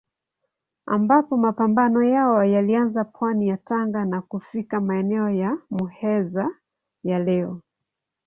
Ambapo mapambano yao yalianza pwani ya Tanga na kufika maeneo ya Muheza ya leo.